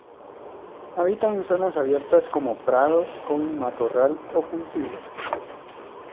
Habita en zonas abiertas como prados con matorral o cultivos.